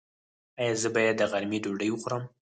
ایا زه باید د غرمې ډوډۍ وخورم؟